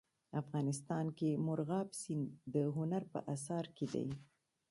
افغانستان کې مورغاب سیند د هنر په اثار کې دی.